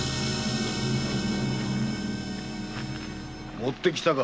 持ってきたか？